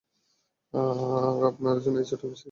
হ্যাঁঁ, আর আপনার জন্য, ছোট বিশেষ খাবার টেবিল।